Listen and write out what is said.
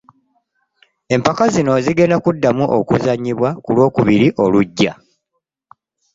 Empaka zino kati zigenda kuddamu okuzannyibwa ku lwokubiri olujja